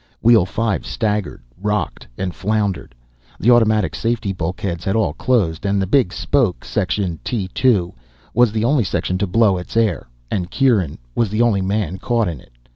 Wheel Five staggered, rocked, and floundered. The automatic safety bulkheads had all closed, and the big spoke Section T2 was the only section to blow its air, and Kieran was the only man caught in it.